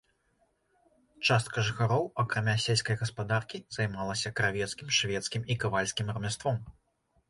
Частка жыхароў, акрамя сельскай гаспадаркі, займалася кравецкім, швецкім і кавальскім рамяством.